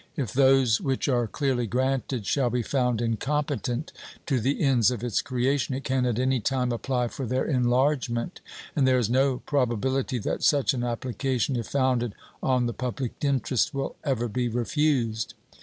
If those which are clearly granted shall be found incompetent to the ends of its creation, it can at any time apply for their enlargement; and there is no probability that such an application, if founded on the public interest, will ever be refused.